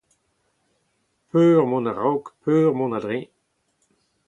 Peur mont a-raok, peur dont a-dreñv ?